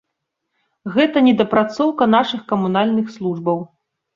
Гэта недапрацоўка нашых камунальных службаў.